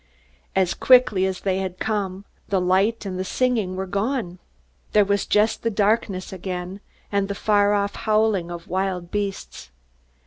As quickly as they had come, the light and the singing were gone. There was just the darkness again, and the far off howling of wild beasts.